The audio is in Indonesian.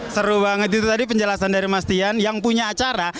seru banget itu tadi penjelasan dari mas dian yang punya acara